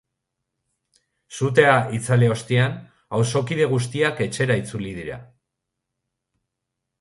Sutea itzali ostean, auzokide guztiak etxera itzuli dira.